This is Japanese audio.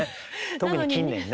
特に近年ね。